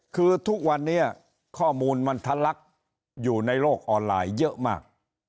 คือทุกวันนี้ข้อมูลมันทะลักอยู่ในโลกออนไลน์เยอะมาก